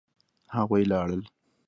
هغوی لاړل.